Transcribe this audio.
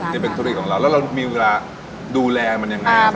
ที่เป็นธุรกิจของเราแล้วเรามีเวลาดูแลมันยังไง